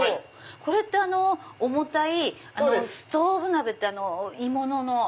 これって重たいストウブ鍋って鋳物の。